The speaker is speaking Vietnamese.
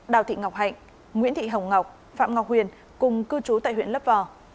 đào thị ngọc hạnh nguyễn thị hồng ngọc phạm ngọc huyền cùng cư trú tại huyện lấp vò